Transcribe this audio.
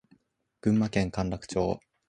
群馬県甘楽町